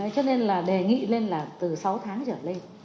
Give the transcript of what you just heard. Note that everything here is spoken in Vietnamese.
cho nên là đề nghị lên là từ sáu tháng trở lên